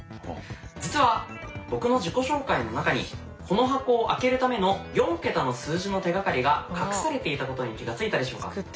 実は僕の自己紹介の中にこの箱を開けるための４桁の数字の手がかりが隠されていたことに気が付いたでしょうか。